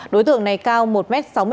đối tượng này cao một m sáu mươi năm